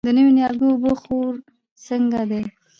د نوي نیالګي اوبه خور څنګه دی؟